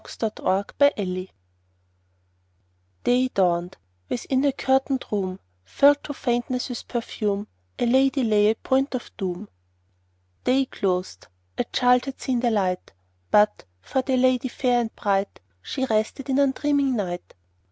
Y Z History of a Life DAY dawned: within a curtained room, Filled to faintness with perfume, A lady lay at point of doom. Day closed; a child had seen the light; But, for the lady fair and bright, She rested in undreaming night.